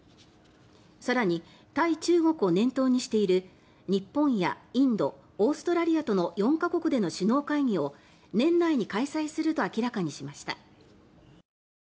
更に、対中国を念頭にしている日本やインドオーストラリアとの４か国での首脳会議を年内に開催すると明らかにしました。